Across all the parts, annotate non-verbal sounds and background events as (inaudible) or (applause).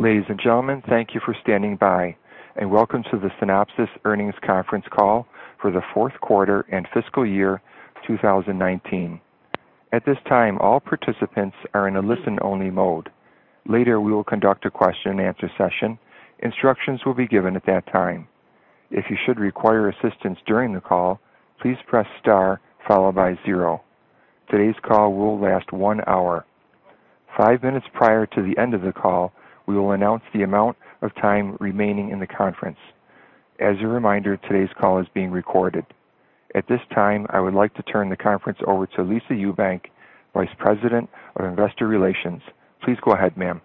Ladies and gentlemen, thank you for standing by, and welcome to the Synopsys earnings conference call for the fourth quarter and fiscal year 2019. At this time, all participants are in a listen-only mode. Later, we will conduct a question and answer session. Instructions will be given at that time. If you should require assistance during the call, please press star followed by zero. Today's call will last one hour. Five minutes prior to the end of the call, we will announce the amount of time remaining in the conference. As a reminder, today's call is being recorded. At this time, I would like to turn the conference over to Lisa Ewbank, Vice President of Investor Relations. Please go ahead, ma'am.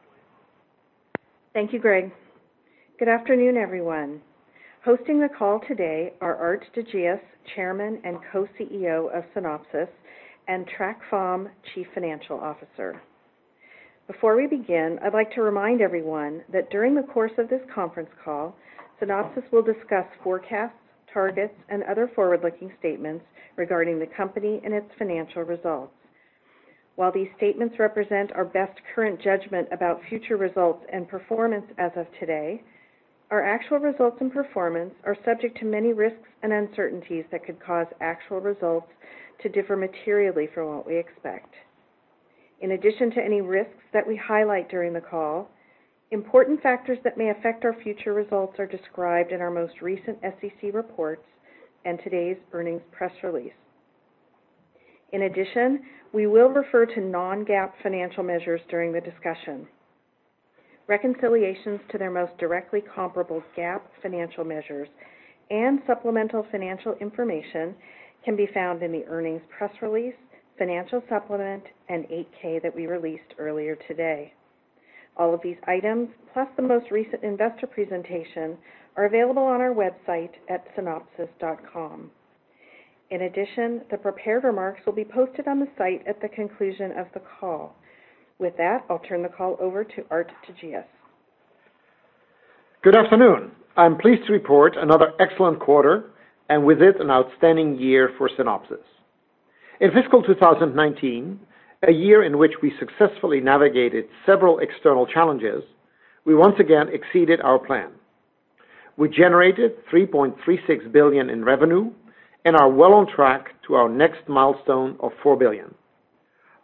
Thank you, Greg. Good afternoon, everyone. Hosting the call today are Aart de Geus, Chairman and Co-CEO of Synopsys, and Trac Pham, Chief Financial Officer. Before we begin, I'd like to remind everyone that during the course of this conference call, Synopsys will discuss forecasts, targets, and other forward-looking statements regarding the company and its financial results. While these statements represent our best current judgment about future results and performance as of today, our actual results and performance are subject to many risks and uncertainties that could cause actual results to differ materially from what we expect. In addition to any risks that we highlight during the call, important factors that may affect our future results are described in our most recent SEC reports and today's earnings press release. In addition, we will refer to non-GAAP financial measures during the discussion. Reconciliations to their most directly comparable GAAP financial measures and supplemental financial information can be found in the earnings press release, financial supplement, and 8-K that we released earlier today. All of these items, plus the most recent investor presentation, are available on our website at synopsys.com. In addition, the prepared remarks will be posted on the site at the conclusion of the call. With that, I'll turn the call over to Aart de Geus. Good afternoon. I'm pleased to report another excellent quarter, and with it, an outstanding year for Synopsys. In fiscal 2019, a year in which we successfully navigated several external challenges, we once again exceeded our plan. We generated $3.36 billion in revenue and are well on track to our next milestone of $4 billion.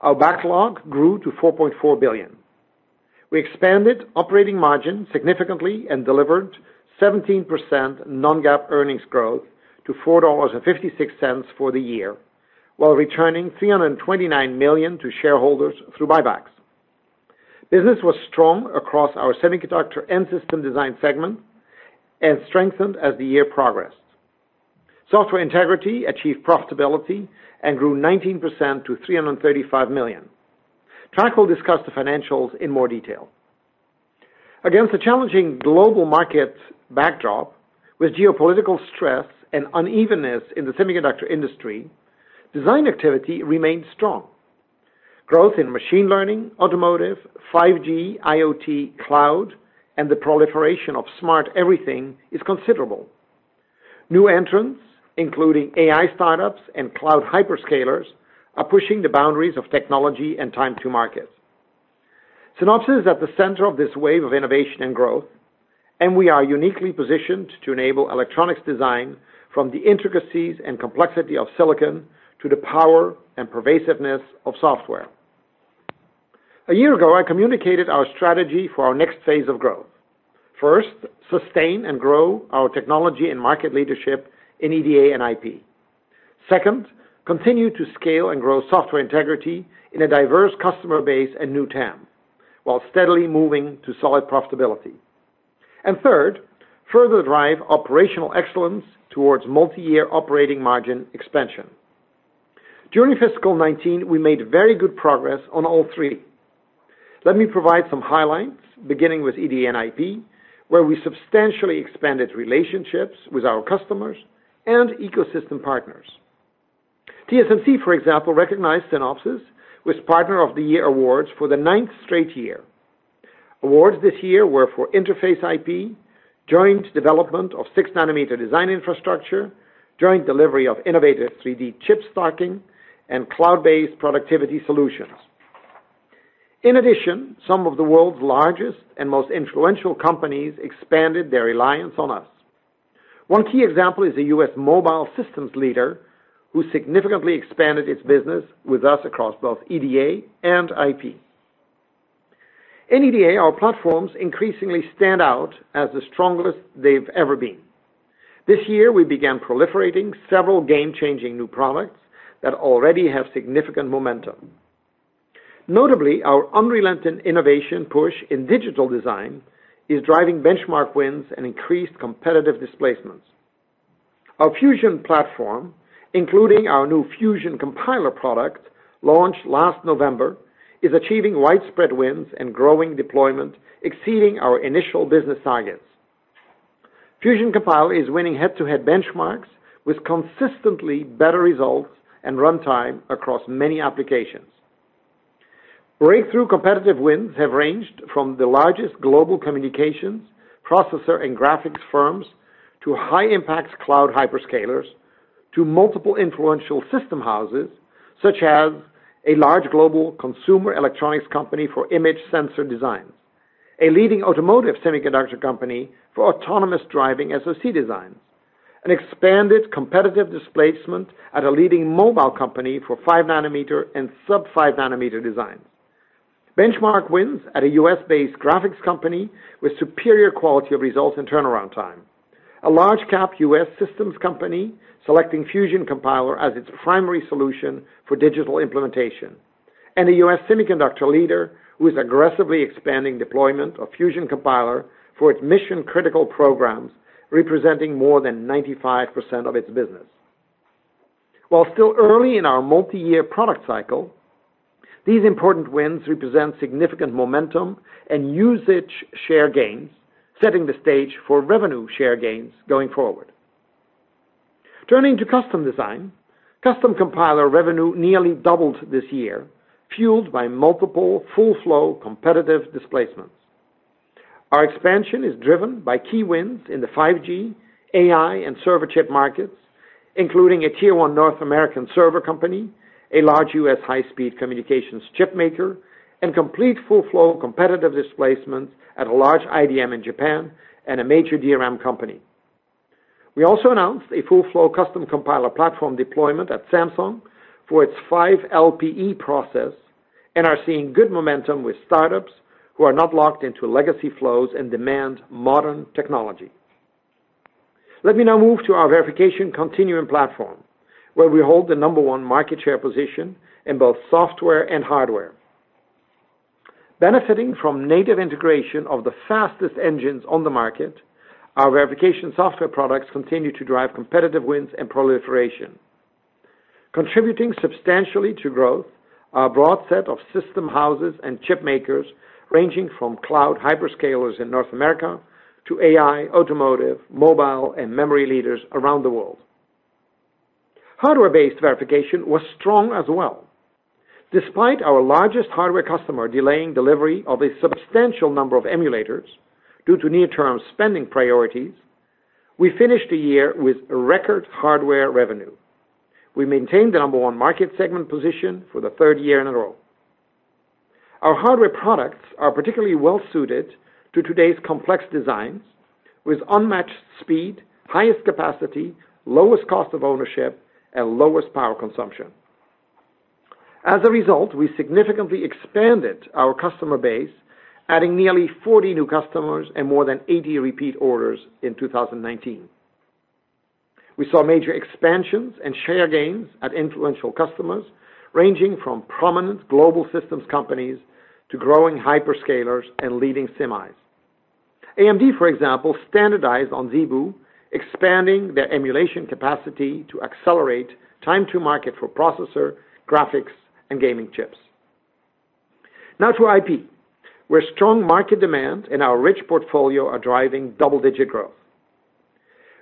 Our backlog grew to $4.4 billion. We expanded operating margin significantly and delivered 17% non-GAAP earnings growth to $4.56 for the year, while returning $329 million to shareholders through buybacks. Business was strong across our Semiconductor & System Design segment and strengthened as the year progressed. Software Integrity achieved profitability and grew 19% to $335 million. Trac will discuss the financials in more detail. Against a challenging global market backdrop with geopolitical stress and unevenness in the semiconductor industry, design activity remained strong. Growth in machine learning, automotive, 5G, IoT, cloud, and the proliferation of smart everything is considerable. New entrants, including AI startups and cloud hyperscalers, are pushing the boundaries of technology and time to market. Synopsys is at the center of this wave of innovation and growth, and we are uniquely positioned to enable electronics design from the intricacies and complexity of silicon to the power and pervasiveness of software. A year ago, I communicated our strategy for our next phase of growth. First, sustain and grow our technology and market leadership in EDA and IP. Second, continue to scale and grow Software Integrity in a diverse customer base and new TAM, while steadily moving to solid profitability. Third, further drive operational excellence towards multi-year operating margin expansion. During fiscal 2019, we made very good progress on all three. Let me provide some highlights, beginning with EDA and IP, where we substantially expanded relationships with our customers and ecosystem partners. TSMC, for example, recognized Synopsys with Partner of the Year awards for the ninth straight year. Awards this year were for interface IP, joint development of 6-nanometer design infrastructure, joint delivery of innovative 3D chip stacking, and cloud-based productivity solutions. In addition, some of the world's largest and most influential companies expanded their reliance on us. One key example is a U.S. mobile systems leader who significantly expanded its business with us across both EDA and IP. In EDA, our platforms increasingly stand out as the strongest they've ever been. This year, we began proliferating several game-changing new products that already have significant momentum. Notably, our unrelenting innovation push in digital design is driving benchmark wins and increased competitive displacements. Our Fusion platform, including our new Fusion Compiler product launched last November, is achieving widespread wins and growing deployment, exceeding our initial business targets. Fusion Compiler is winning head-to-head benchmarks with consistently better results and runtime across many applications. Breakthrough competitive wins have ranged from the largest global communications, processor, and graphics firms to high-impact cloud hyperscalers. To multiple influential system houses, such as a large global consumer electronics company for image sensor designs, a leading automotive semiconductor company for autonomous driving SoC designs, an expanded competitive displacement at a leading mobile company for 5 nanometer and sub 5 nanometer designs. Benchmark wins at a U.S.-based graphics company with superior quality of results and turnaround time. A large cap U.S. systems company selecting Fusion Compiler as its primary solution for digital implementation, and a U.S. semiconductor leader who is aggressively expanding deployment of Fusion Compiler for its mission critical programs, representing more than 95% of its business. While still early in our multi-year product cycle, these important wins represent significant momentum and usage share gains, setting the stage for revenue share gains going forward. Turning to custom design, Custom Compiler revenue nearly doubled this year, fueled by multiple full flow competitive displacements. Our expansion is driven by key wins in the 5G, AI, and server chip markets, including a Tier 1 North American server company, a large U.S. high-speed communications chip maker, and complete full flow competitive displacement at a large IDM in Japan and a major DRAM company. We also announced a full flow Custom Compiler platform deployment at Samsung for its 5LPE process and are seeing good momentum with startups who are not locked into legacy flows and demand modern technology. Let me now move to our verification continuum platform, where we hold the number 1 market share position in both software and hardware. Benefiting from native integration of the fastest engines on the market, our verification software products continue to drive competitive wins and proliferation. Contributing substantially to growth, our broad set of system houses and chip makers, ranging from cloud hyperscalers in North America to AI, automotive, mobile, and memory leaders around the world. Hardware-based verification was strong as well. Despite our largest hardware customer delaying delivery of a substantial number of emulators due to near-term spending priorities, we finished the year with record hardware revenue. We maintained the number one market segment position for the third year in a row. Our hardware products are particularly well-suited to today's complex designs with unmatched speed, highest capacity, lowest cost of ownership, and lowest power consumption. As a result, we significantly expanded our customer base, adding nearly 40 new customers and more than 80 repeat orders in 2019. We saw major expansions and share gains at influential customers, ranging from prominent global systems companies to growing hyperscalers and leading semis. AMD, for example, standardized on ZeBu, expanding their emulation capacity to accelerate time to market for processor, graphics, and gaming chips. Now to IP, where strong market demand and our rich portfolio are driving double-digit growth.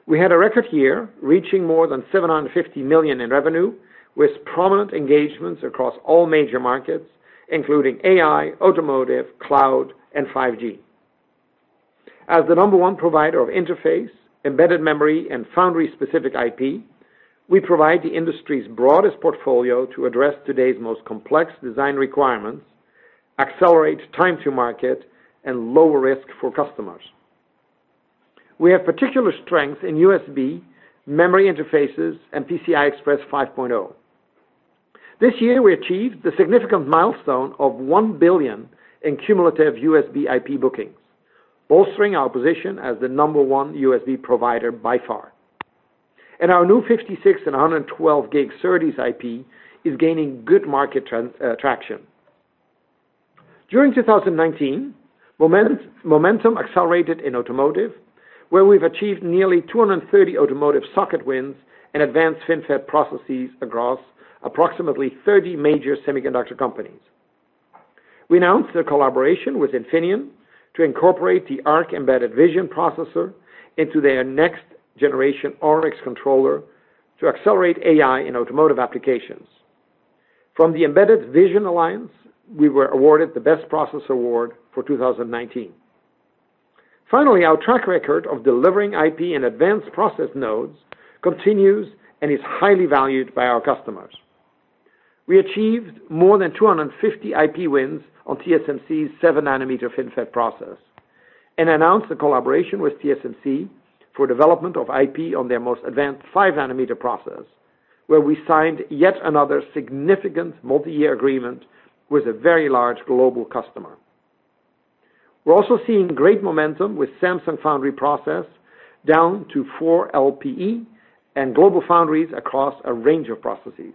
We had a record year, reaching more than $750 million in revenue, with prominent engagements across all major markets, including AI, automotive, cloud, and 5G. As the number one provider of interface, embedded memory, and foundry-specific IP, we provide the industry's broadest portfolio to address today's most complex design requirements, accelerate time to market, and lower risk for customers. We have particular strength in USB memory interfaces and PCI Express 5.0. This year, we achieved the significant milestone of $1 billion in cumulative USB IP bookings, bolstering our position as the number one USB provider by far. Our new 56 and 112G SerDes IP is gaining good market traction. During 2019, momentum accelerated in automotive, where we've achieved nearly 230 automotive socket wins and advanced FinFET processes across approximately 30 major semiconductor companies. We announced a collaboration with Infineon to incorporate the ARC embedded vision processor into their next generation AURIX controller to accelerate AI in automotive applications. From the Embedded Vision Alliance, we were awarded the Best Processor Award for 2019. Finally, our track record of delivering IP and advanced process nodes continues and is highly valued by our customers. We achieved more than 250 IP wins on TSMC's 7 nanometer FinFET process and announced a collaboration with TSMC for development of IP on their most advanced 5 nanometer process, where we signed yet another significant multi-year agreement with a very large global customer. We're also seeing great momentum with Samsung Foundry process down to 4LPE and GlobalFoundries across a range of processes.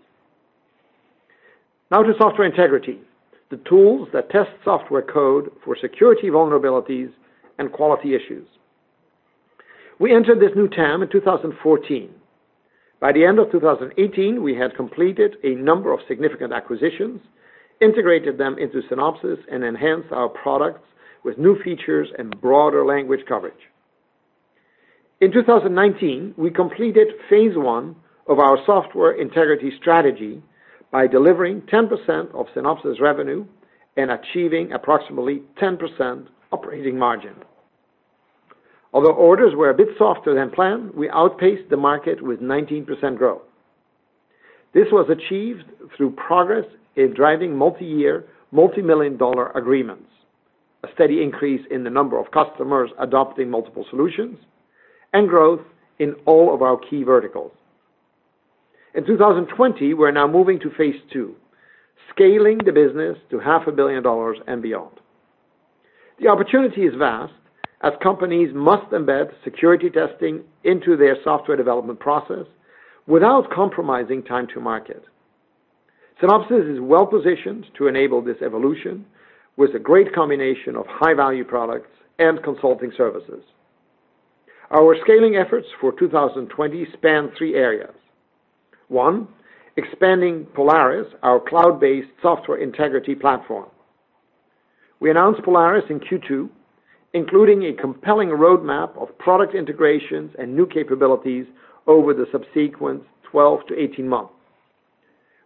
Now to Software Integrity, the tools that test software code for security vulnerabilities and quality issues. We entered this new term in 2014. By the end of 2018, we had completed a number of significant acquisitions, integrated them into Synopsys, and enhanced our products with new features and broader language coverage. In 2019, we completed phase 1 of our Software Integrity strategy by delivering 10% of Synopsys revenue and achieving approximately 10% operating margin. Although orders were a bit softer than planned, we outpaced the market with 19% growth. This was achieved through progress in driving multi-year, multimillion-dollar agreements, a steady increase in the number of customers adopting multiple solutions, and growth in all of our key verticals. In 2020, we're now moving to phase 2, scaling the business to half a billion dollars and beyond. The opportunity is vast, as companies must embed security testing into their software development process without compromising time to market. Synopsys is well-positioned to enable this evolution with a great combination of high-value products and consulting services. Our scaling efforts for 2020 span three areas. 1, expanding Polaris, our cloud-based Software Integrity platform. We announced Polaris in Q2, including a compelling roadmap of product integrations and new capabilities over the subsequent 12-18 months.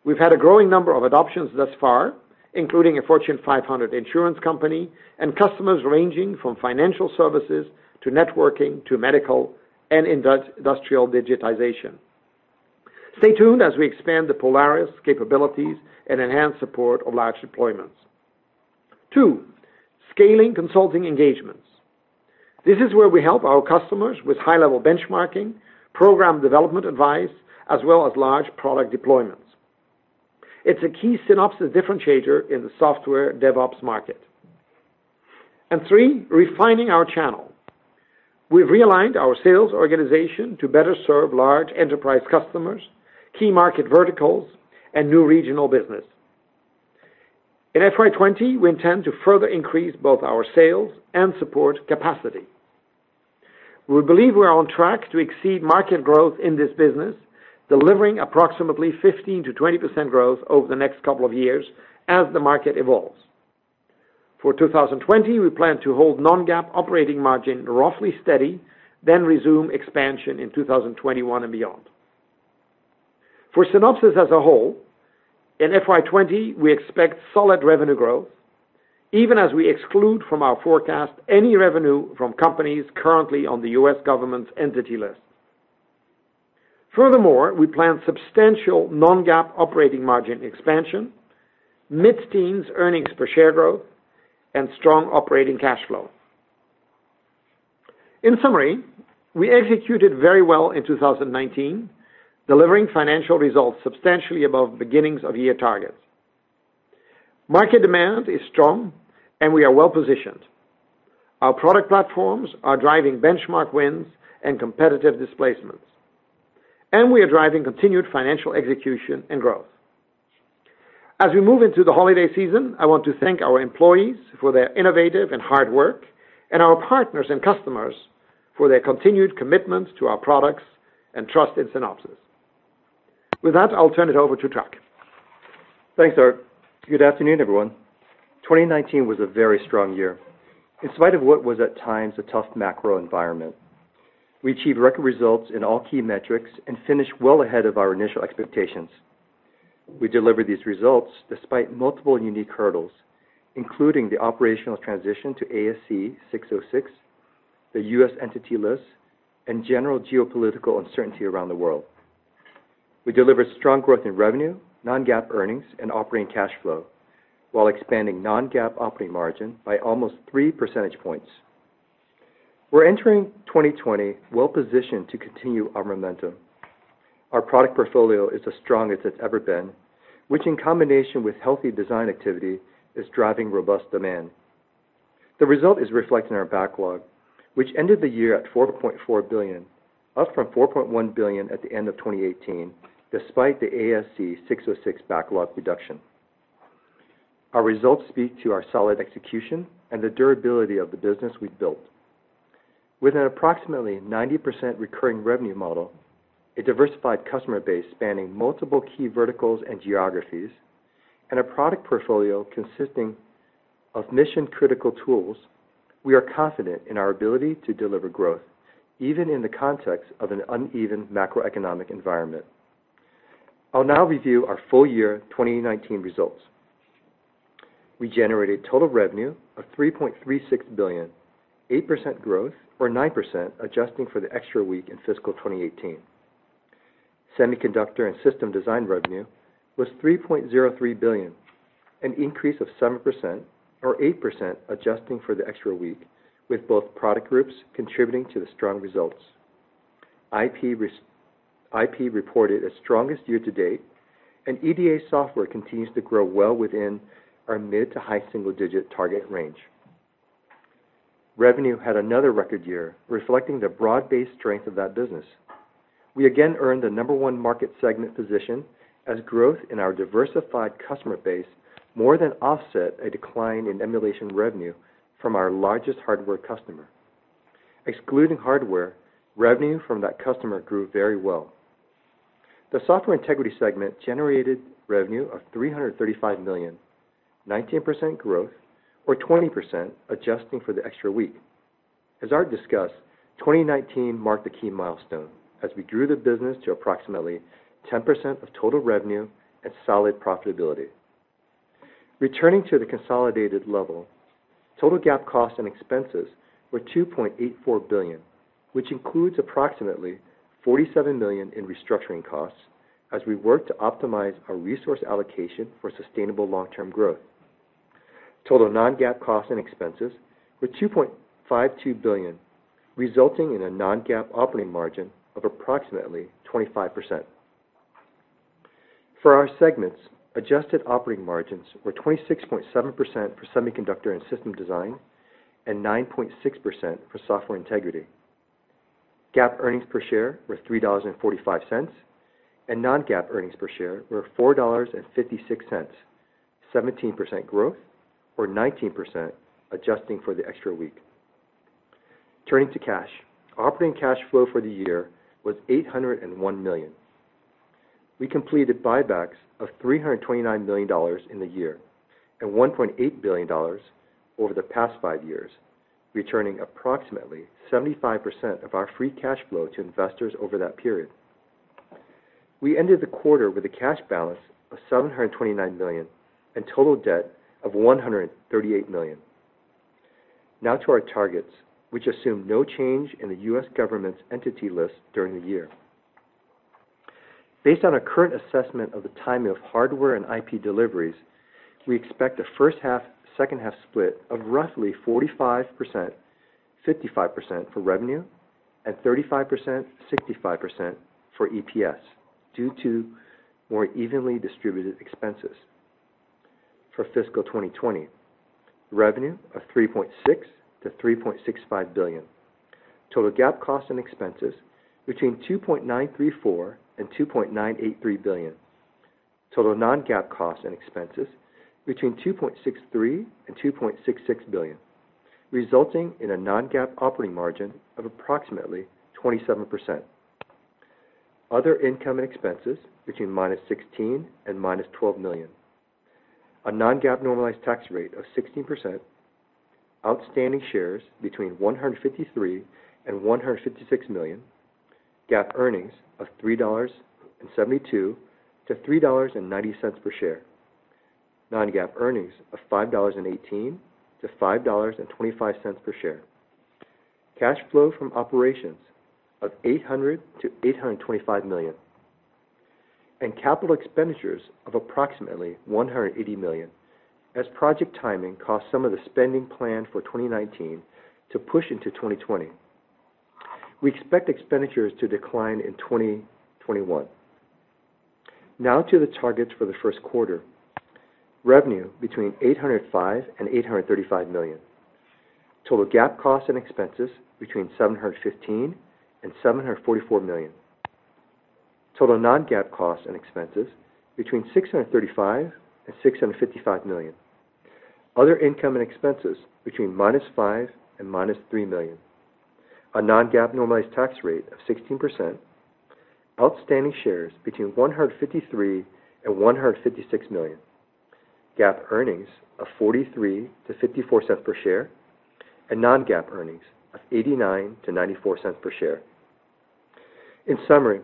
We've had a growing number of adoptions thus far, including a Fortune 500 insurance company, and customers ranging from financial services to networking to medical and industrial digitization. Stay tuned as we expand the Polaris capabilities and enhance support of large deployments. Two, scaling consulting engagements. This is where we help our customers with high-level benchmarking, program development advice, as well as large product deployments. It's a key Synopsys differentiator in the software DevOps market. Three, refining our channel. We've realigned our sales organization to better serve large enterprise customers, key market verticals, and new regional business. In FY 2020, we intend to further increase both our sales and support capacity. We believe we are on track to exceed market growth in this business, delivering approximately 15%-20% growth over the next couple of years as the market evolves. For 2020, we plan to hold non-GAAP operating margin roughly steady, resume expansion in 2021 and beyond. For Synopsys as a whole, in FY 2020, we expect solid revenue growth, even as we exclude from our forecast any revenue from companies currently on the U.S. government's entity list. We plan substantial non-GAAP operating margin expansion, mid-teens earnings per share growth, and strong operating cash flow. In summary, we executed very well in 2019, delivering financial results substantially above beginnings of year targets. Market demand is strong, we are well-positioned. Our product platforms are driving benchmark wins and competitive displacements. We are driving continued financial execution and growth. As we move into the holiday season, I want to thank our employees for their innovative and hard work, and our partners and customers for their continued commitments to our products and trust in Synopsys. With that, I'll turn it over to Trac. Thanks, Aart. Good afternoon, everyone. 2019 was a very strong year. In spite of what was at times a tough macro environment, we achieved record results in all key metrics and finished well ahead of our initial expectations. We delivered these results despite multiple unique hurdles, including the operational transition to ASC 606, the U.S. entity list, and general geopolitical uncertainty around the world. We delivered strong growth in revenue, non-GAAP earnings, and operating cash flow, while expanding non-GAAP operating margin by almost three percentage points. We're entering 2020 well-positioned to continue our momentum. Our product portfolio is as strong as it's ever been, which in combination with healthy design activity, is driving robust demand. The result is reflected in our backlog, which ended the year at $4.4 billion, up from $4.1 billion at the end of 2018, despite the ASC 606 backlog reduction. Our results speak to our solid execution and the durability of the business we've built. With an approximately 90% recurring revenue model, a diversified customer base spanning multiple key verticals and geographies, and a product portfolio consisting of mission-critical tools, we are confident in our ability to deliver growth, even in the context of an uneven macroeconomic environment. I'll now review our full year 2019 results. We generated total revenue of $3.36 billion, 8% growth, or 9% adjusting for the extra week in fiscal 2018. Semiconductor & System Design revenue was $3.03 billion, an increase of 7%, or 8% adjusting for the extra week, with both product groups contributing to the strong results. IP reported its strongest year to date, and EDA software continues to grow well within our mid to high single-digit target range. Revenue had another record year, reflecting the broad-based strength of that business. We again earned the number one market segment position as growth in our diversified customer base more than offset a decline in emulation revenue from our largest hardware customer. Excluding hardware, revenue from that customer grew very well. The Software Integrity segment generated revenue of $335 million, 19% growth, or 20% adjusting for the extra week. As Aart discussed, 2019 marked a key milestone as we grew the business to approximately 10% of total revenue and solid profitability. Returning to the consolidated level, total GAAP costs and expenses were $2.84 billion, which includes approximately $47 million in restructuring costs as we work to optimize our resource allocation for sustainable long-term growth. Total non-GAAP costs and expenses were $2.52 billion, resulting in a non-GAAP operating margin of approximately 25%. For our segments, adjusted operating margins were 26.7% for Semiconductor & System Design and 9.6% for Software Integrity. GAAP earnings per share were $3.45, and non-GAAP earnings per share were $4.56, 17% growth or 19% adjusting for the extra week. Turning to cash. Operating cash flow for the year was $801 million. We completed buybacks of $329 million in the year and $1.8 billion over the past five years, returning approximately 75% of our free cash flow to investors over that period. We ended the quarter with a cash balance of $729 million and total debt of $138 million. Now to our targets, which assume no change in the U.S. government's entity list during the year. Based on our current assessment of the timing of hardware and IP deliveries, we expect a first half, second half split of roughly 45%, 55% for revenue and 35%, 65% for EPS due to more evenly distributed expenses. For fiscal 2020, revenue of $3.6 billion-$3.65 billion. Total GAAP cost and expenses between $2.934 billion and $2.983 billion. Total non-GAAP costs and expenses between $2.63 billion and $2.66 billion, resulting in a non-GAAP operating margin of approximately 27%. Other income and expenses between -$16 million and -$12 million. A non-GAAP normalized tax rate of 16%, outstanding shares between 153 million and 156 million, GAAP earnings of $3.72-$3.90 per share. Non-GAAP earnings of $5.18-$5.25 per share. Cash flow from operations of $800 million-$825 million, and capital expenditures of approximately $180 million, as project timing caused some of the spending plan for 2019 to push into 2020. We expect expenditures to decline in 2021. Now to the targets for the first quarter. Revenue between $805 million and $835 million. Total GAAP costs and expenses between $715 million and $744 million. Total non-GAAP costs and expenses between $635 million and $655 million. Other income and expenses between -$5 million and -$3 million. A non-GAAP normalized tax rate of 16%, outstanding shares between 153 million and 156 million. GAAP earnings of $0.43 to $0.54 per share, non-GAAP earnings of $0.89 to $0.94 per share. In summary,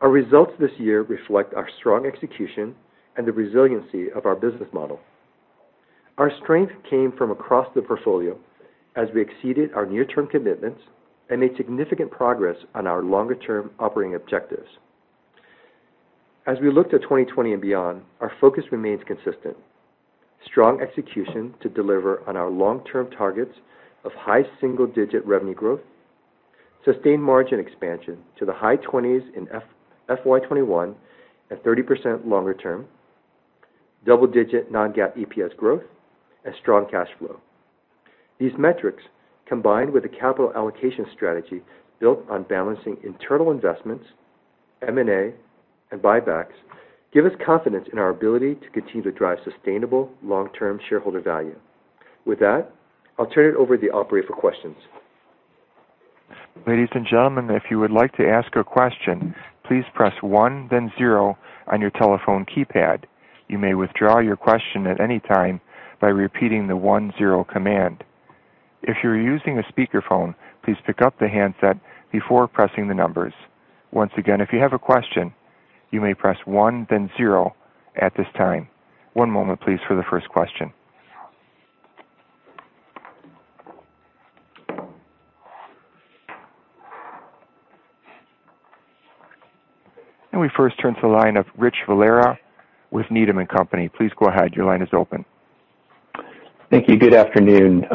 our results this year reflect our strong execution and the resiliency of our business model. Our strength came from across the portfolio as we exceeded our near-term commitments and made significant progress on our longer-term operating objectives. As we look to 2020 and beyond, our focus remains consistent. Strong execution to deliver on our long-term targets of high single-digit revenue growth, sustained margin expansion to the high twenties in FY 2021, and 30% longer term, double-digit non-GAAP EPS growth, and strong cash flow. These metrics, combined with a capital allocation strategy built on balancing internal investments, M&A, and buybacks, give us confidence in our ability to continue to drive sustainable long-term shareholder value. With that, I'll turn it over to the operator for questions. Ladies and gentlemen, if you would like to ask a question, please press 1, then 0 on your telephone keypad. You may withdraw your question at any time by repeating the 1, 0 command. If you're using a speakerphone, please pick up the handset before pressing the numbers. Once again, if you have a question, you may press 1, then 0 at this time. One moment please for the first question. We first turn to the line of Rich Valera with Needham & Company. Please go ahead. Your line is open. Thank you. Good afternoon.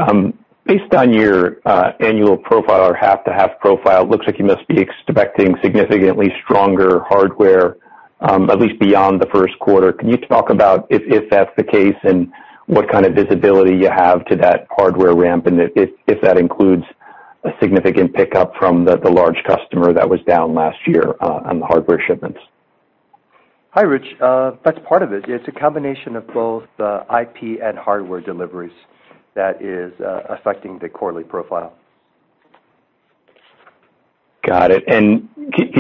Based on your annual profile or half to half profile, looks like you must be expecting significantly stronger hardware, at least beyond the first quarter. Can you talk about if that's the case and what kind of visibility you have to that hardware ramp and if that includes a significant pickup from the large customer that was down last year on the hardware shipments? Hi, Rich. That's part of it. It's a combination of both the IP and hardware deliveries that is affecting the quarterly profile. Got it. Can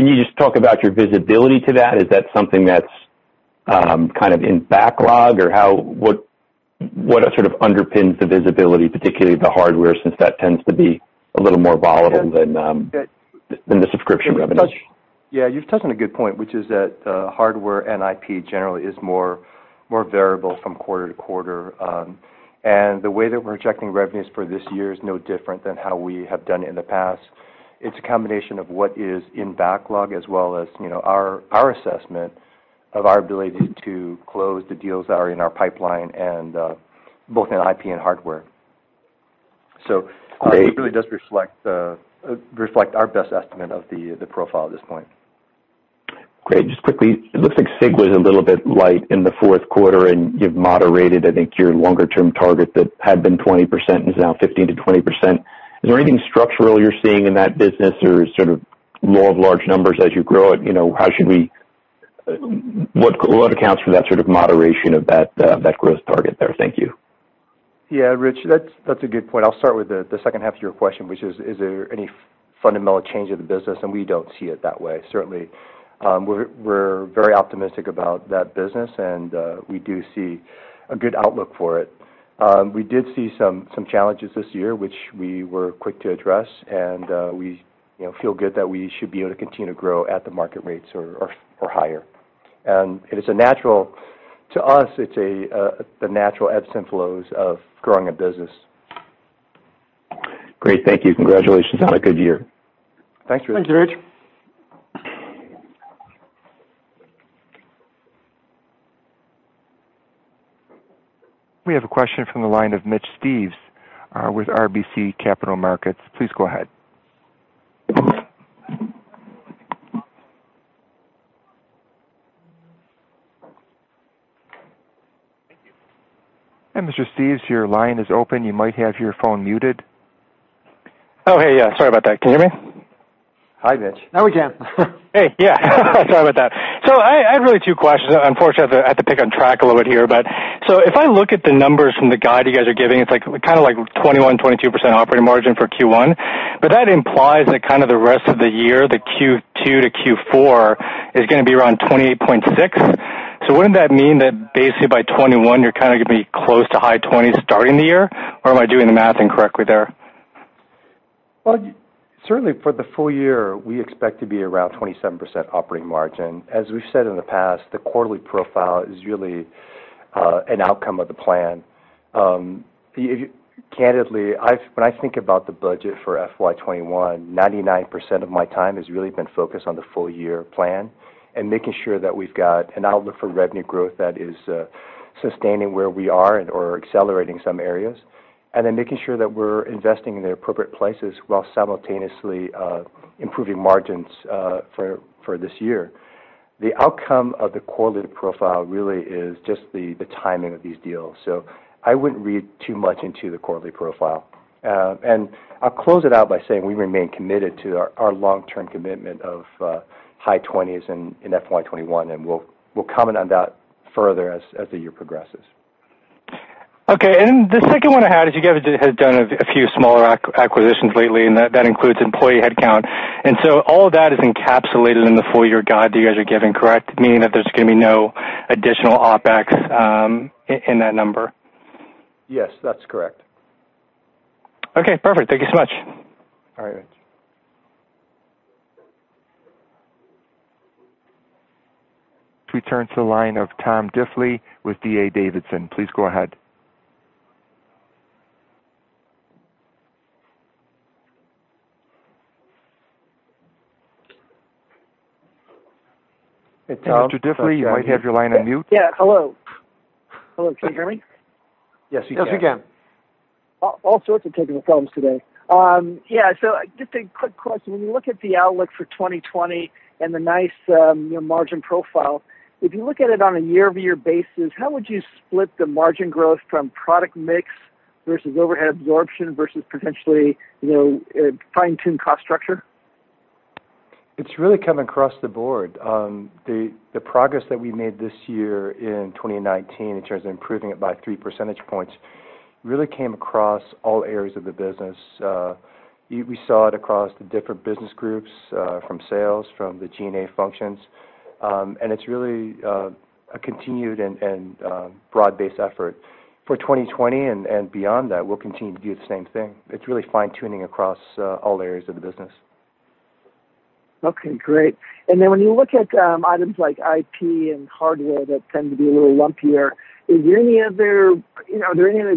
you just talk about your visibility to that? Is that something that's kind of in backlog or what sort of underpins the visibility, particularly the hardware, since that tends to be a little more volatile than the subscription revenue? Yeah, you've touched on a good point, which is that hardware and IP generally is more variable from quarter to quarter. The way that we're projecting revenues for this year is no different than how we have done it in the past. It's a combination of what is in backlog as well as our assessment of our ability to close the deals that are in our pipeline and both in IP and hardware. It really does reflect our best estimate of the profile at this point. Great. Just quickly, it looks like SIG was a little bit light in the fourth quarter. You've moderated, I think, your longer-term target that had been 20% is now 15%-20%. Is there anything structural you're seeing in that business or sort of law of large numbers as you grow it? What accounts for that sort of moderation of that growth target there? Thank you. Yeah, Rich, that's a good point. I'll start with the second half of your question, which is there any fundamental change of the business. We don't see it that way, certainly. We're very optimistic about that business. We do see a good outlook for it. We did see some challenges this year, which we were quick to address. We feel good that we should be able to continue to grow at the market rates or higher. To us, it's the natural ebbs and flows of growing a business. Great. Thank you. Congratulations on a good year. Thanks, Rich. Thank you, Rich. We have a question from the line of Mitch Steves with RBC Capital Markets. Please go ahead. Thank you. Mr. Steves, your line is open. You might have your phone muted. Oh, hey, yeah, sorry about that. Can you hear me? Hi, Mitch. Now we can. Hey, yeah. Sorry about that. I have really two questions. Unfortunately, I have to pick on Trac a little bit here. If I look at the numbers from the guide you guys are giving, it's like 21%-22% operating margin for Q1, but that implies that kind of the rest of the year, the Q2 to Q4, is gonna be around 28.6%. Wouldn't that mean that basically by 2021, you're gonna be close to high 20s starting the year? Or am I doing the math incorrectly there? Well, certainly for the full year, we expect to be around 27% operating margin. As we've said in the past, the quarterly profile is really an outcome of the plan. Candidly, when I think about the budget for FY 2021, 99% of my time has really been focused on the full-year plan and making sure that we've got an outlook for revenue growth that is sustaining where we are and/or accelerating some areas, and then making sure that we're investing in the appropriate places while simultaneously improving margins for this year. The outcome of the quarterly profile really is just the timing of these deals. I wouldn't read too much into the quarterly profile. I'll close it out by saying we remain committed to our long-term commitment of high 20s in FY 2021, and we'll comment on that further as the year progresses. Okay. The second one I had is you guys have done a few smaller acquisitions lately, and that includes employee headcount. All of that is encapsulated in the full-year guide that you guys are giving, correct? Meaning that there's going to be no additional OpEx in that number. Yes, that's correct. Okay, perfect. Thank you so much. All right, Mitch. We turn to the line of Tom Diffely with D.A. Davidson. Please go ahead. Hey, Tom. Mr. Diffely, you might have your line on mute. Yeah, hello. Hello, can you hear me? Yes, we can. Yes, we can. All sorts of technical problems today. Yeah, just a quick question. When you look at the outlook for 2020 and the nice margin profile, if you look at it on a year-over-year basis, how would you split the margin growth from product mix versus overhead absorption versus potentially fine-tune cost structure? It's really come across the board. The progress that we made this year in 2019 in terms of improving it by three percentage points really came across all areas of the business. We saw it across the different business groups, from sales, from the G&A functions, and it's really a continued and broad-based effort. For 2020 and beyond that, we'll continue to do the same thing. It's really fine-tuning across all areas of the business. Okay, great. When you look at items like IP and hardware that tend to be a little lumpier, are there any other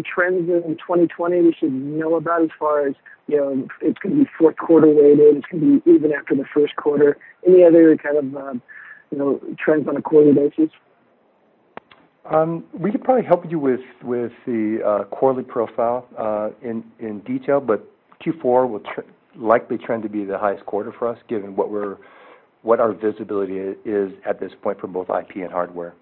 trends in 2020 we should know about as far as it's going to be fourth quarter weighted, it's going to be even after the first quarter? Any other kind of trends on a quarterly basis? We could probably help you with the quarterly profile in detail, but Q4 will likely trend to be the highest quarter for us, given what our visibility is at this point for both IP and hardware.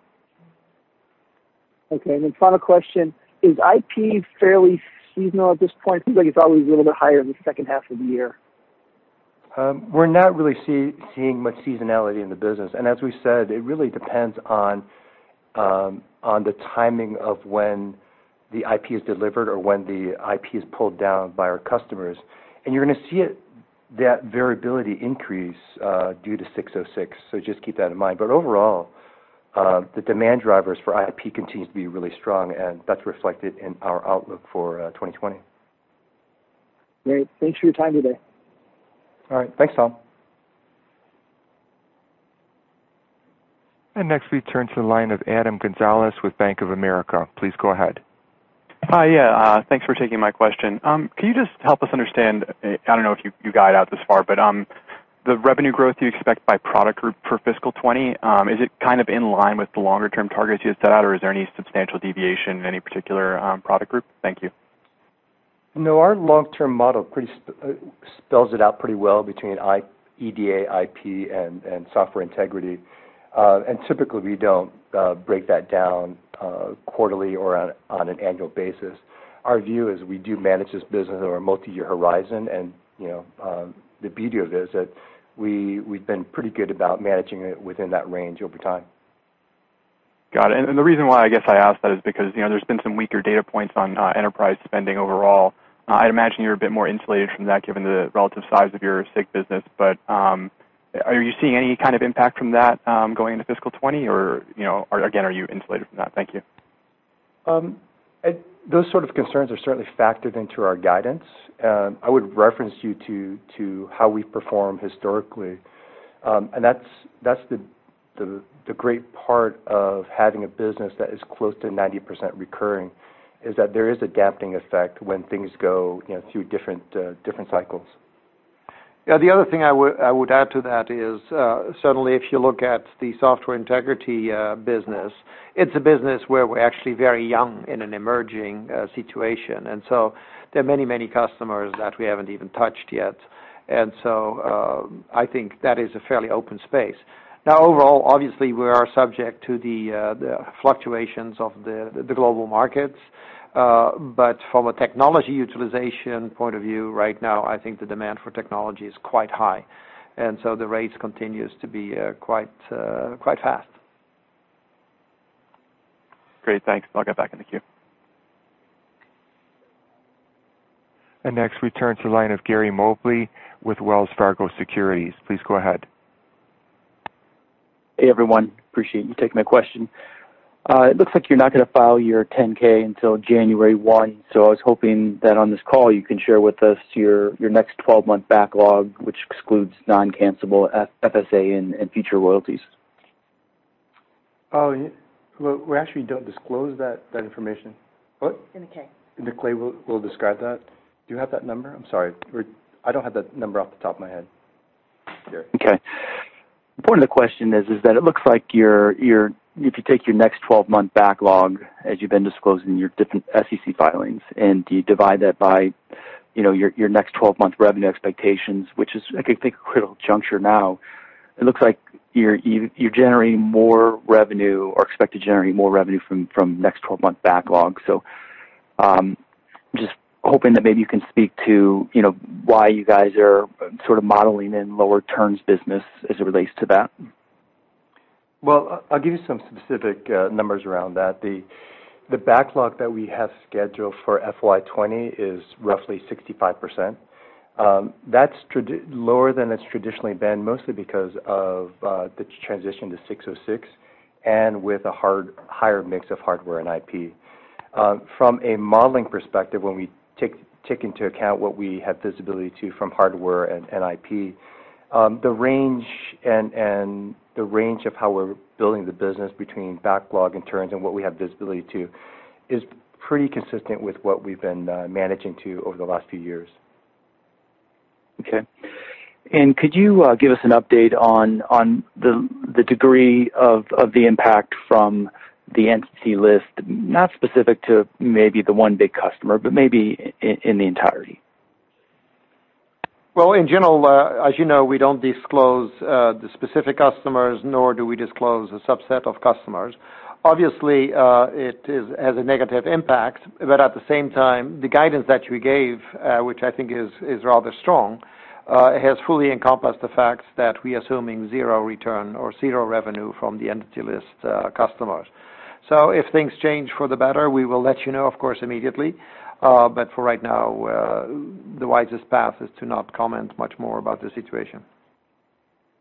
Okay, final question, is IP fairly seasonal at this point? Seems like it's always a little bit higher in the second half of the year. We're not really seeing much seasonality in the business. As we said, it really depends on the timing of when the IP is delivered or when the IP is pulled down by our customers. You're gonna see that variability increase due to 606, so just keep that in mind. Overall, the demand drivers for IP continues to be really strong, and that's reflected in our outlook for 2020. Great. Thanks for your time today. All right. Thanks, Tom. Next, we turn to the line of Adam Gonzalez with Bank of America. Please go ahead. Hi. Yeah. Thanks for taking my question. Can you just help us understand, I don't know if you guide out this far, but the revenue growth you expect by product group for fiscal 2020, is it kind of in line with the longer-term targets you had set out, or is there any substantial deviation in any particular product group? Thank you. No, our long-term model spells it out pretty well between EDA, IP, and Software Integrity. Typically, we don't break that down quarterly or on an annual basis. Our view is we do manage this business on a multi-year horizon, and the beauty of it is that we've been pretty good about managing it within that range over time. Got it. The reason why, I guess I ask that is because there's been some weaker data points on enterprise spending overall. I'd imagine you're a bit more insulated from that, given the relative size of your SIG business. Are you seeing any kind of impact from that going into fiscal 2020, or again, are you insulated from that? Thank you. Those sort of concerns are certainly factored into our guidance. I would reference you to how we've performed historically. That's the great part of having a business that is close to 90% recurring, is that there is a dampening effect when things go through different cycles. Yeah. The other thing I would add to that is, certainly if you look at the Software Integrity business, it's a business where we're actually very young in an emerging situation. There are many customers that we haven't even touched yet. I think that is a fairly open space. Now, overall, obviously, we are subject to the fluctuations of the global markets. From a technology utilization point of view right now, I think the demand for technology is quite high, and so the rates continues to be quite fast. Great. Thanks. I'll get back in the queue. Next, we turn to the line of Gary Mobley with Wells Fargo Securities. Please go ahead. Hey, everyone. Appreciate you taking my question. It looks like you're not going to file your 10-K until January 1, I was hoping that on this call you can share with us your next 12-month backlog, which excludes non-cancellable FSA and future royalties. We actually don't disclose that information. What? (inaudible) (inaudible) will describe that. Do you have that number? I'm sorry. I don't have that number off the top of my head, Gary. Okay. The point of the question is that it looks like if you take your next 12-month backlog, as you've been disclosing in your different SEC filings, and you divide that by your next 12-month revenue expectations, which is, I think, a critical juncture now, it looks like you generate more revenue or expect to generate more revenue from next 12-month backlog. I'm just hoping that maybe you can speak to why you guys are sort of modeling in lower terms business as it relates to that? Well, I'll give you some specific numbers around that. The backlog that we have scheduled for FY 2020 is roughly 65%. That's lower than it's traditionally been, mostly because of the transition to 606 and with a higher mix of hardware and IP. From a modeling perspective, when we take into account what we have visibility to from hardware and IP, the range of how we're building the business between backlog and turns and what we have visibility to is pretty consistent with what we've been managing to over the last few years. Okay. Could you give us an update on the degree of the impact from the entity list? Not specific to maybe the one big customer, but maybe in the entirety. In general, as you know, we don't disclose the specific customers, nor do we disclose a subset of customers. Obviously, it has a negative impact, but at the same time, the guidance that we gave, which I think is rather strong, has fully encompassed the fact that we assuming zero return or zero revenue from the entity list customers. If things change for the better, we will let you know, of course, immediately. For right now, the wisest path is to not comment much more about the situation.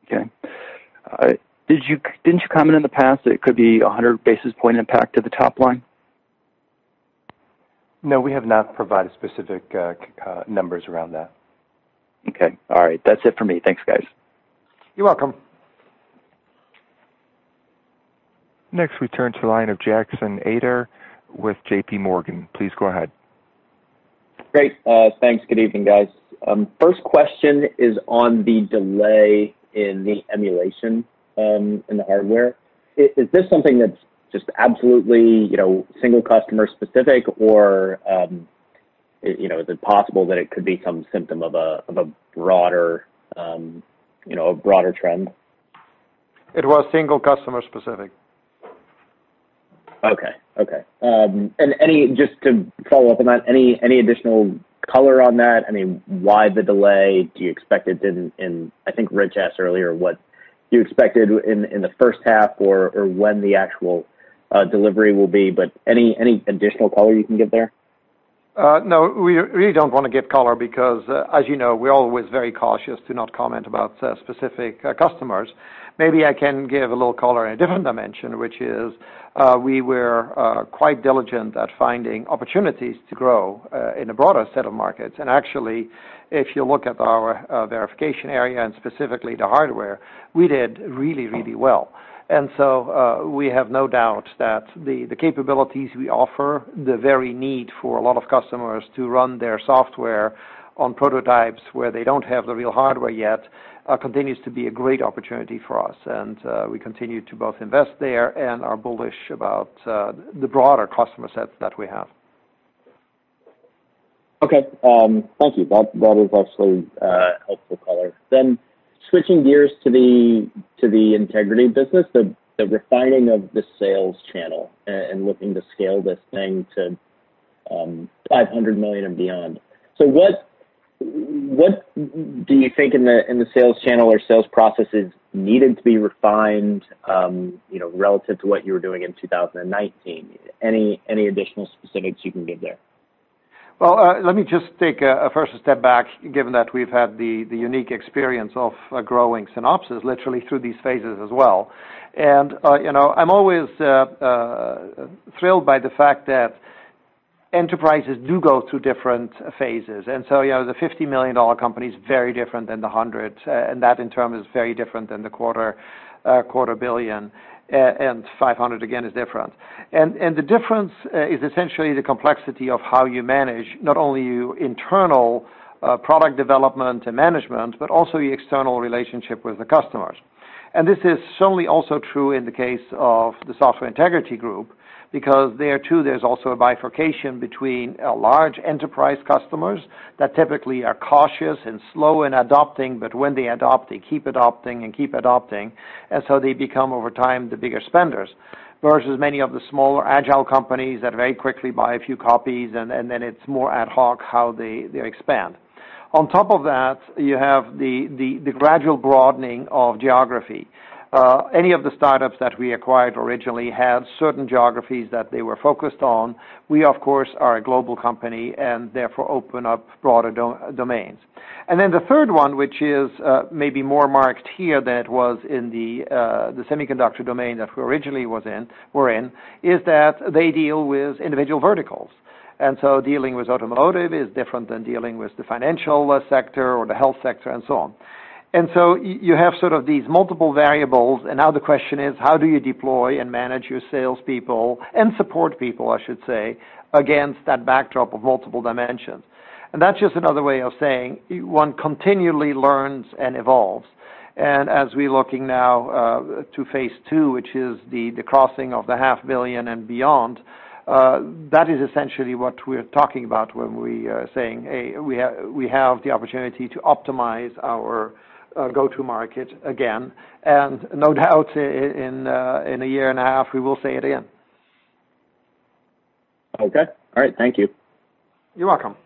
Okay. Didn't you comment in the past that it could be 100 basis point impact to the top line? No, we have not provided specific numbers around that. Okay. All right. That's it for me. Thanks, guys. You're welcome. Next, we turn to the line of Jackson Ader with J.P. Morgan. Please go ahead. Great. Thanks. Good evening, guys. First question is on the delay in the emulation in the hardware. Is this something that's just absolutely single customer specific, or is it possible that it could be some symptom of a broader trend? It was single customer specific. Okay. Just to follow up on that, any additional color on that? Why the delay? Do you expect it in, I think Rich asked earlier what you expected in the first half or when the actual delivery will be, but any additional color you can give there? We really don't want to give color because, as you know, we're always very cautious to not comment about specific customers. Maybe I can give a little color in a different dimension, which is, we were quite diligent at finding opportunities to grow in a broader set of markets. Actually, if you look at our verification area and specifically the hardware, we did really, really well. So, we have no doubt that the capabilities we offer, the very need for a lot of customers to run their software on prototypes where they don't have the real hardware yet, continues to be a great opportunity for us. We continue to both invest there and are bullish about the broader customer sets that we have. Okay. Thank you. That is actually helpful color. Switching gears to the Software Integrity business, the refining of the sales channel and looking to scale this thing to $500 million and beyond. What do you think in the sales channel or sales processes needed to be refined relative to what you were doing in 2019? Any additional specifics you can give there? Well, let me just take a first step back, given that we've had the unique experience of growing Synopsys literally through these phases as well. I'm always thrilled by the fact that enterprises do go through different phases. The $50 million company is very different than the $100 million, and that in turn is very different than the $quarter billion, and $500 million again is different. The difference is essentially the complexity of how you manage not only your internal product development and management, but also your external relationship with the customers. This is certainly also true in the case of the Software Integrity Group, because there too, there's also a bifurcation between large enterprise customers that typically are cautious and slow in adopting, but when they adopt, they keep adopting and keep adopting, and so they become, over time, the bigger spenders. Versus many of the smaller agile companies that very quickly buy a few copies, and then it's more ad hoc how they expand. On top of that, you have the gradual broadening of geography. Any of the startups that we acquired originally had certain geographies that they were focused on. We, of course, are a global company and therefore open up broader domains. Then the third one, which is maybe more marked here than it was in the semiconductor domain that we originally were in, is that they deal with individual verticals. So dealing with automotive is different than dealing with the financial sector or the health sector, and so on. So you have sort of these multiple variables, and now the question is, how do you deploy and manage your salespeople and support people, I should say, against that backdrop of multiple dimensions? That's just another way of saying one continually learns and evolves. As we're looking now to phase two, which is the crossing of the half billion and beyond, that is essentially what we are talking about when we are saying we have the opportunity to optimize our go-to market again. No doubt in a year and a half, we will say it again. Okay. All right. Thank you. You're welcome.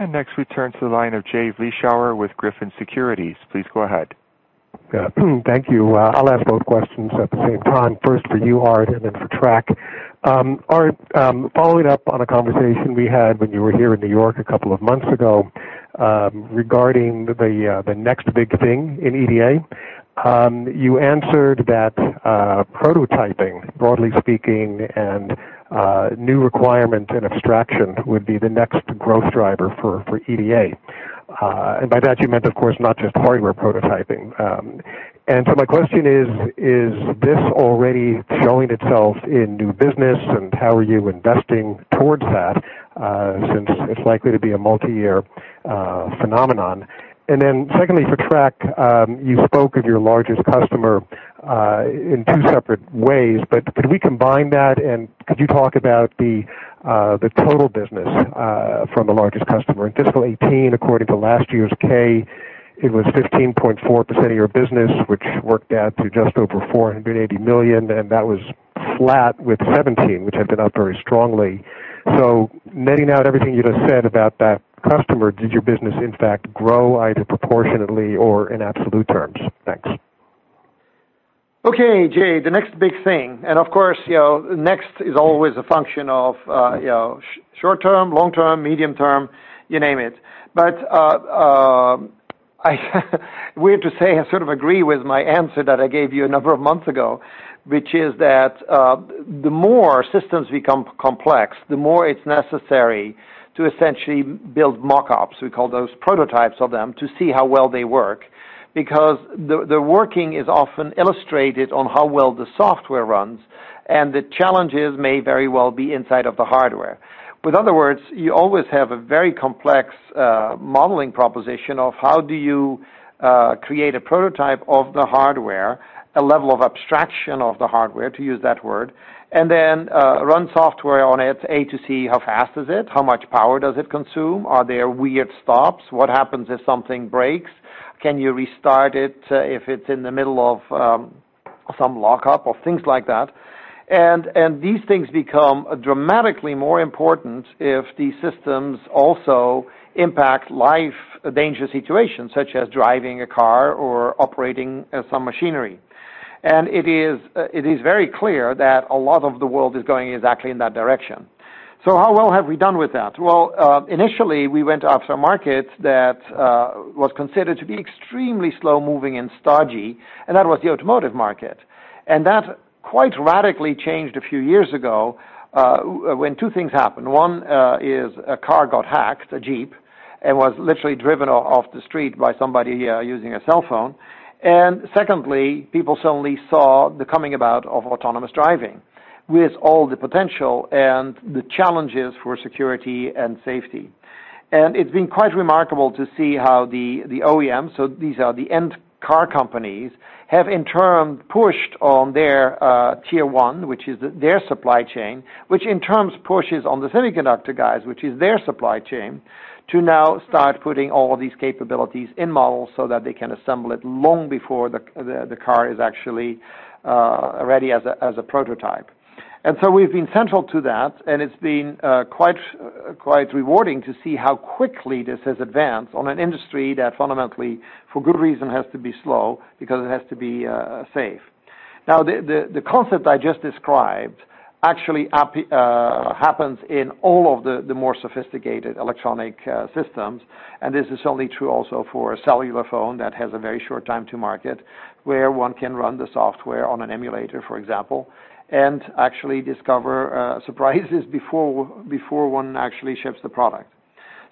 Next we turn to the line of Jay Vleeschhouwer with Griffin Securities. Please go ahead. Thank you. I'll ask both questions at the same time. First for you, Aart, and then for Trac. Aart, following up on a conversation we had when you were here in New York 2 months ago regarding the next big thing in EDA. You answered that prototyping, broadly speaking, and new requirement and abstraction would be the next growth driver for EDA. By that, you meant, of course, not just hardware prototyping. My question is this already showing itself in new business, and how are you investing towards that, since it's likely to be a multi-year phenomenon? Secondly, for Trac, you spoke of your largest customer in 2 separate ways, but could we combine that and could you talk about the total business from the largest customer? In fiscal 2018, according to last year's K, it was 15.4% of your business, which worked out to just over $480 million, and that was flat with 2017, which had been up very strongly. Netting out everything you just said about that customer, did your business in fact grow either proportionately or in absolute terms? Thanks. Okay, Jay. The next big thing, and of course, next is always a function of short term, long term, medium term, you name it. Weird to say, I sort of agree with my answer that I gave you a number of months ago, which is that the more systems become complex, the more it's necessary to essentially build mock-ups, we call those prototypes of them, to see how well they work, because the working is often illustrated on how well the software runs, and the challenges may very well be inside of the hardware. In other words, you always have a very complex modeling proposition of how do you create a prototype of the hardware, a level of abstraction of the hardware, to use that word, and then run software on it, A, to see how fast is it, how much power does it consume? Are there weird stops? What happens if something breaks? Can you restart it if it's in the middle of some lockup or things like that? These things become dramatically more important if these systems also impact life, a dangerous situation such as driving a car or operating some machinery. It is very clear that a lot of the world is going exactly in that direction. How well have we done with that? Well, initially, we went after a market that was considered to be extremely slow-moving and stodgy, and that was the automotive market. That quite radically changed a few years ago when two things happened. One is a car got hacked, a Jeep, and was literally driven off the street by somebody using a cell phone. Secondly, people suddenly saw the coming about of autonomous driving with all the potential and the challenges for security and safety. It's been quite remarkable to see how the OEMs, so these are the end car companies, have in turn pushed on their tier 1, which is their supply chain, which in turn pushes on the semiconductor guys, which is their supply chain, to now start putting all of these capabilities in models so that they can assemble it long before the car is actually ready as a prototype. We've been central to that, and it's been quite rewarding to see how quickly this has advanced on an industry that fundamentally, for good reason, has to be slow because it has to be safe. The concept I just described actually happens in all of the more sophisticated electronic systems, and this is certainly true also for a cellular phone that has a very short time to market, where one can run the software on an emulator, for example, and actually discover surprises before one actually ships the product.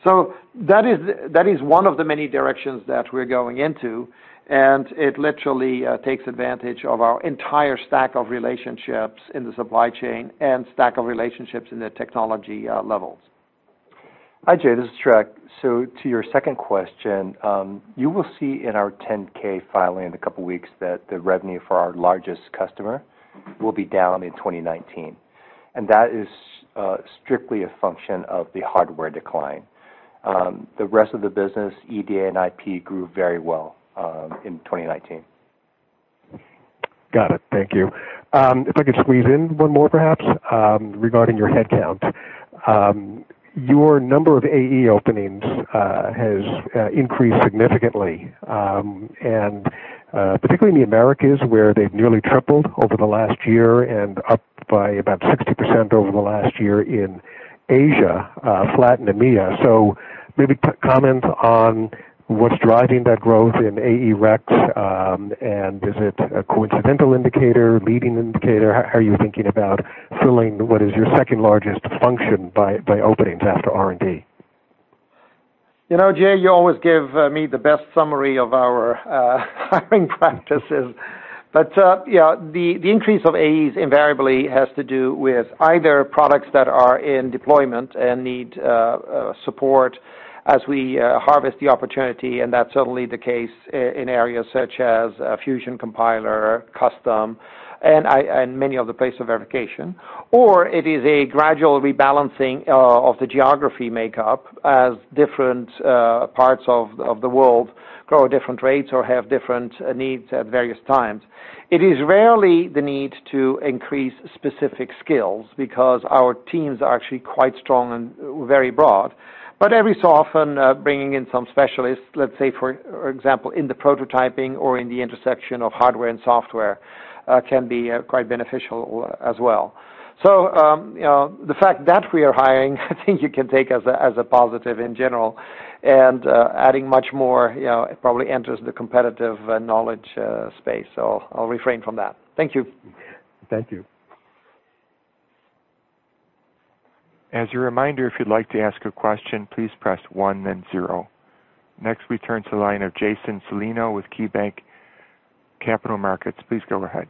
That is one of the many directions that we're going into, and it literally takes advantage of our entire stack of relationships in the supply chain and stack of relationships in the technology levels. Hi, Jay, this is Trac. To your second question, you will see in our 10K filing in a couple of weeks that the revenue for our largest customer will be down in 2019, and that is strictly a function of the hardware decline. The rest of the business, EDA and IP, grew very well in 2019. Got it. Thank you. If I could squeeze in one more perhaps, regarding your headcount. Your number of AE openings has increased significantly, and particularly in the Americas, where they've nearly tripled over the last year and up by about 60% over the last year in Asia, flat in EMEA. Maybe comment on what's driving that growth in AE recs, and is it a coincidental indicator, leading indicator? How are you thinking about filling what is your second-largest function by openings after R&D? Jay, you always give me the best summary of our hiring practices. The increase of AEs invariably has to do with either products that are in deployment and need support as we harvest the opportunity, and that's certainly the case in areas such as Fusion Compiler, Custom, and many of the [place] of verification. It is a gradual rebalancing of the geography makeup as different parts of the world grow at different rates or have different needs at various times. It is rarely the need to increase specific skills because our teams are actually quite strong and very broad. Every so often, bringing in some specialists, let's say, for example, in the prototyping or in the intersection of hardware and software, can be quite beneficial as well. The fact that we are hiring, I think you can take as a positive in general, and adding much more, it probably enters the competitive knowledge space, so I'll refrain from that. Thank you. Thank you. As a reminder, if you'd like to ask a question, please press one then zero. We turn to the line of Jason Celino with KeyBanc Capital Markets. Please go ahead.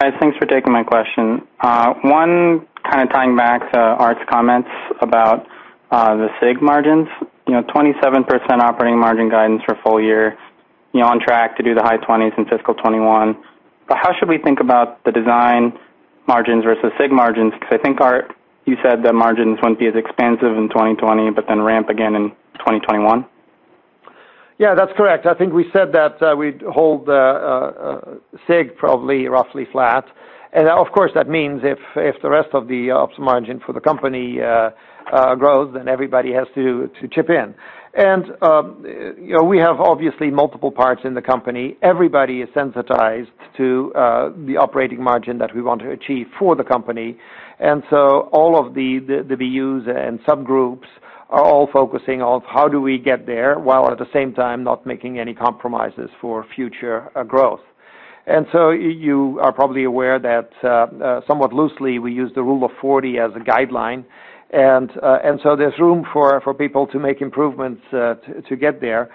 Guys, thanks for taking my question. One, tying back to Aart's comments about the SIG margins, 27% operating margin guidance for full year, on track to do the high 20s in fiscal 2021. How should we think about the Design margins versus SIG margins? I think, Aart, you said that margins wouldn't be as expansive in 2020 but then ramp again in 2021? Yeah, that's correct. I think we said that we'd hold SIG probably roughly flat. Of course, that means if the rest of the ops margin for the company grows, then everybody has to chip in. We have obviously multiple parts in the company. Everybody is sensitized to the operating margin that we want to achieve for the company. All of the BUs and subgroups are all focusing on how do we get there, while at the same time not making any compromises for future growth. You are probably aware that somewhat loosely, we use the Rule of 40 as a guideline, and so there's room for people to make improvements to get there.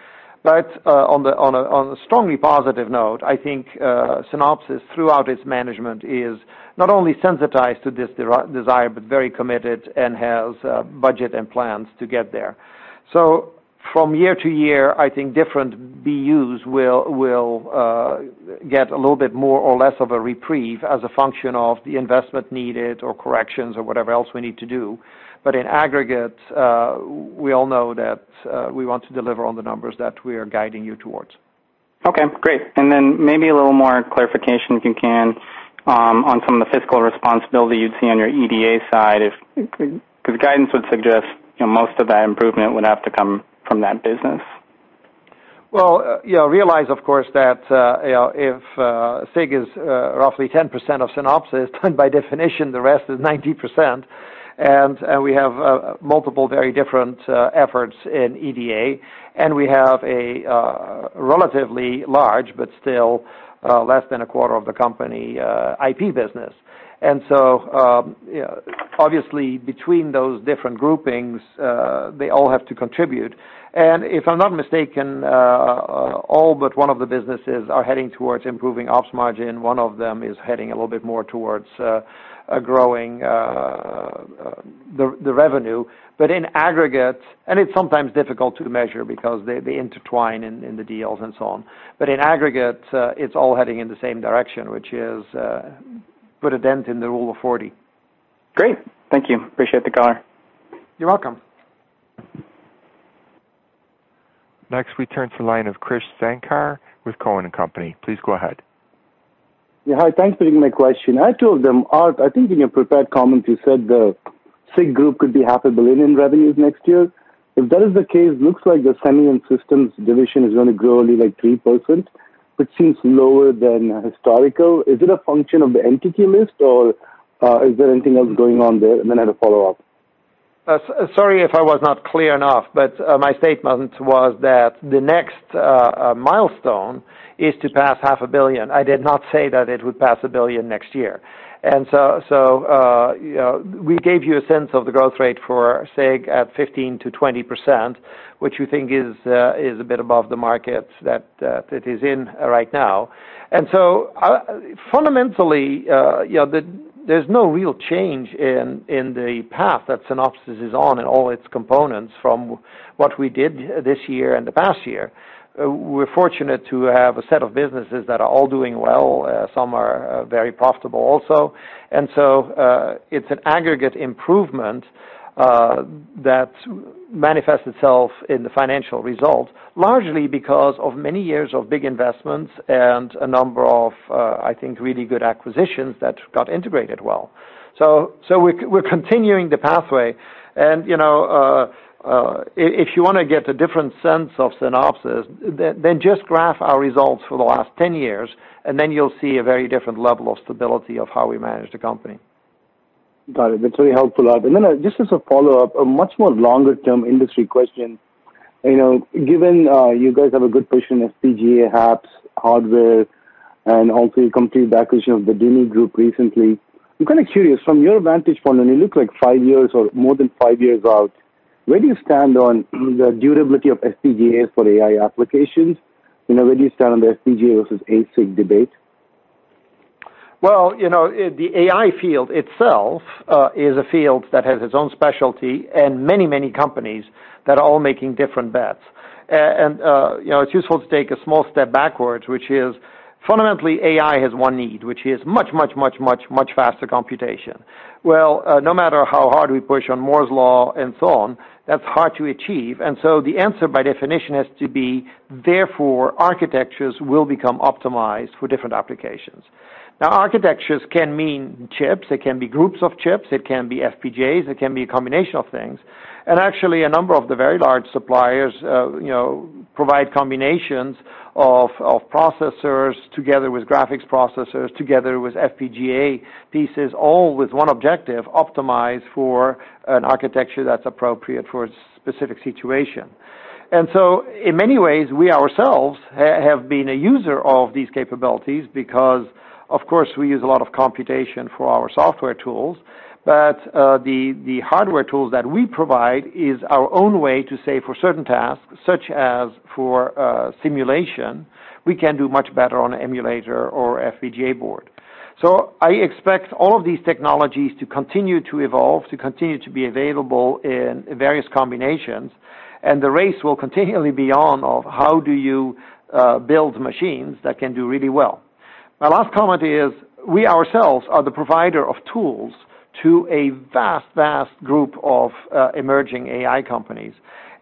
On a strongly positive note, I think Synopsys, throughout its management, is not only sensitized to this desire but very committed and has budget and plans to get there. From year to year, I think different BUs will get a little bit more or less of a reprieve as a function of the investment needed or corrections or whatever else we need to do. In aggregate, we all know that we want to deliver on the numbers that we are guiding you towards. Okay, great. Maybe a little more clarification, if you can, on some of the fiscal responsibility you'd see on your EDA side, because guidance would suggest most of that improvement would have to come from that business. Realize, of course, that if SIG is roughly 10% of Synopsys, then by definition, the rest is 90%. We have multiple very different efforts in EDA, and we have a relatively large, but still less than a quarter of the company IP business. Obviously, between those different groupings, they all have to contribute. If I'm not mistaken, all but one of the businesses are heading towards improving ops margin. One of them is heading a little bit more towards growing the revenue. In aggregate, and it's sometimes difficult to measure because they intertwine in the deals and so on. In aggregate, it's all heading in the same direction, which is, put a dent in the Rule of 40. Great. Thank you. Appreciate the call. You're welcome. Next, we turn to line of Krish Sankar with Cowen and Company. Please go ahead. Yeah. Hi. Thanks for taking my question. I have two of them. Aart, I think in your prepared comments, you said the SIG group could be half a billion in revenues next year. If that is the case, looks like the Semi and Systems division is going to grow only like 3%, which seems lower than historical. Is it a function of the entity list, or is there anything else going on there? I have a follow-up. Sorry if I was not clear enough, but my statement was that the next milestone is to pass half a billion. I did not say that it would pass a billion next year. We gave you a sense of the growth rate for SIG at 15%-20%, which we think is a bit above the market that it is in right now. Fundamentally, there's no real change in the path that Synopsys is on and all its components from what we did this year and the past year. We're fortunate to have a set of businesses that are all doing well. Some are very profitable also. It's an aggregate improvement that manifests itself in the financial results, largely because of many years of big investments and a number of, I think, really good acquisitions that got integrated well. We're continuing the pathway, and if you want to get a different sense of Synopsys, then just graph our results for the last 10 years, and then you'll see a very different level of stability of how we manage the company. Got it. That's very helpful, Aart. Then just as a follow-up, a much more longer-term industry question. Given you guys have a good position in FPGA, HAPS, hardware, and also you complete the acquisition of the DINI Group recently, I'm kind of curious, from your vantage point, when you look like five years or more than five years out, where do you stand on the durability of FPGAs for AI applications? Where do you stand on the FPGA versus ASIC debate? Well, the AI field itself is a field that has its own specialty and many companies that are all making different bets. It's useful to take a small step backwards, which is fundamentally AI has one need, which is much faster computation. Well, no matter how hard we push on Moore's law and so on, that's hard to achieve, and so the answer by definition has to be, therefore, architectures will become optimized for different applications. Now, architectures can mean chips, they can be groups of chips, it can be FPGAs, it can be a combination of things. Actually, a number of the very large suppliers provide combinations of processors together with graphics processors, together with FPGA pieces, all with one objective, optimized for an architecture that's appropriate for a specific situation. In many ways, we ourselves have been a user of these capabilities because, of course, we use a lot of computation for our software tools. The hardware tools that we provide is our own way to say for certain tasks, such as for simulation, we can do much better on an emulator or FPGA board. I expect all of these technologies to continue to evolve, to continue to be available in various combinations, and the race will continually be on of how do you build machines that can do really well. My last comment is, we ourselves are the provider of tools to a vast group of emerging AI companies.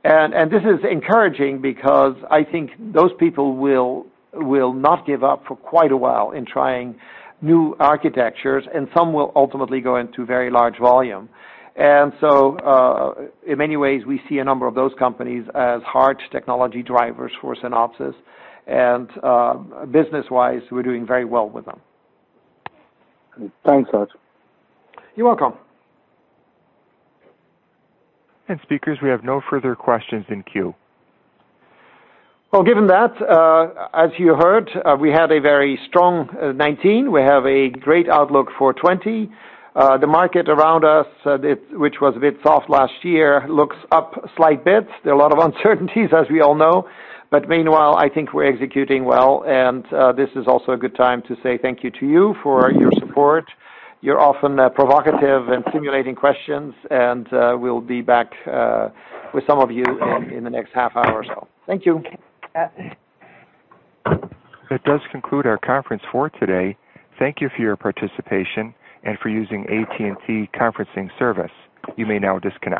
This is encouraging because I think those people will not give up for quite a while in trying new architectures, and some will ultimately go into very large volume. In many ways, we see a number of those companies as hard technology drivers for Synopsys, and business-wise, we're doing very well with them. Thanks, Aart. You're welcome. Speakers, we have no further questions in queue. Well, given that, as you heard, we had a very strong 2019. We have a great outlook for 2020. The market around us, which was a bit soft last year, looks up a slight bit. There are a lot of uncertainties, as we all know, but meanwhile, I think we're executing well, and this is also a good time to say thank you to you for your support, your often provocative and stimulating questions, and we'll be back with some of you in the next half hour or so. Thank you. That does conclude our conference for today. Thank you for your participation and for using AT&T Conferencing service. You may now disconnect.